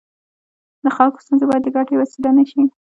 د خلکو ستونزې باید د ګټې وسیله نه شي.